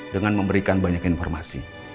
dengan memberikan banyak informasi